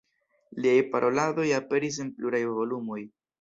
Liaj paroladoj aperis en pluraj volumoj.